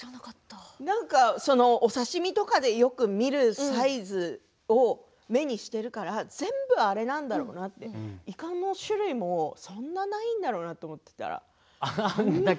お刺身とかでよく見るサイズを目にしているから全部あれなんだろうなってイカの種類もそんなにないんだろうなと思っていたらあんなに。